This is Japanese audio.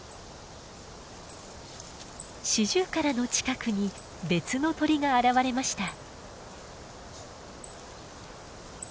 シジュウカラの近くに別の鳥が現れました。